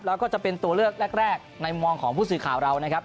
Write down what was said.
แล้วก็จะเป็นตัวเลือกแรกในมุมมองของผู้สื่อข่าวเรานะครับ